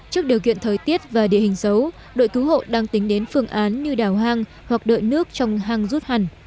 trước điều kiện thời tiết và địa hình xấu đội cứu hộ đang tính đến phương án như đảo hang hoặc đợi nước trong hang rút hẳn